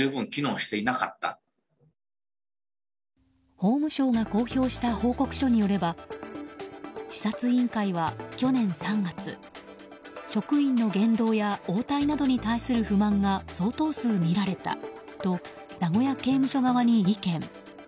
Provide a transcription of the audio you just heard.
法務省が公表した報告書によれば視察委員会は、去年３月職員の言動や応対などに対する不満が相当数見られたと名古屋刑務所側に意見。